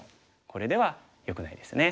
これではよくないですね。